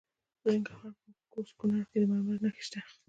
د ننګرهار په کوز کونړ کې د مرمرو نښې شته.